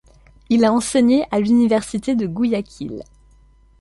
Il a enseigné à l'université de Guyaquil.